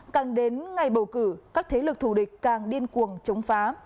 càng đến ngày bầu cử các thế lực thù địch càng điên cuồng chống phá